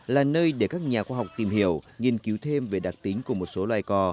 là nơi để các nhà khoa học tìm hiểu nghiên cứu thêm về đặc tính của một số loài cò